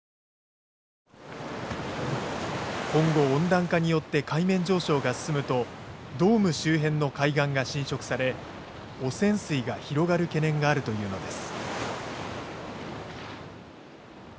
今後温暖化によって海面上昇が進むとドーム周辺の海岸が浸食され汚染水が広がる懸念があるというのです。